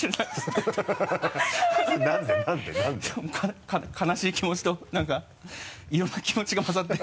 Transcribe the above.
かな悲しい気持ちとなんかいろんな気持ちが混ざって